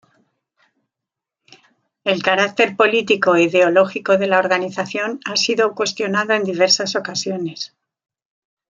El carácter político e ideológico de la organización ha sido cuestionado en diversas ocasiones.